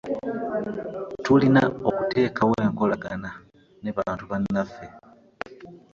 Tulina okutekawo enkolagana ne bantu bannaffe.